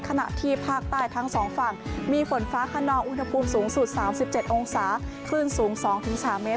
ขณะที่ภาคใต้ทั้งสองฝั่งมีฝนฟ้าขนองอุณหภูมิสูงสุด๓๗องศาคลื่นสูง๒๓เมตร